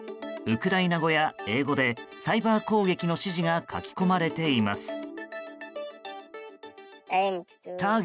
ウクライナ語や英語でサイバー攻撃の指示が書き込まれています。